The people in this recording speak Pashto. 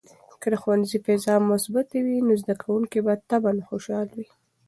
که د ښوونځي فضا مثبته وي، نو زده کوونکي به طبعاً خوشحال وي.